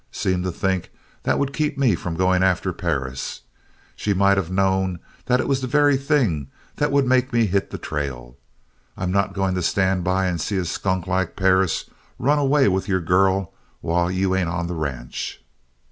Seemed to think that would keep me from going after Perris. She might of knowed that it was the very thing that would make me hit the trail. I'm not going to stand by and see a skunk like Perris run away with your girl while you ain't on the ranch.